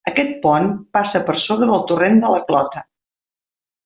Aquest pont passa per sobre del torrent de la Clota.